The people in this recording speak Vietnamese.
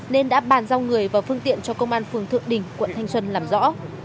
nên đã bàn giao người và phương tiện cho công an phường thượng đình quận thanh xuân làm rõ